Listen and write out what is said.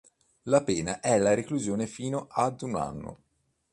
La pena è la reclusione fino ad un anno.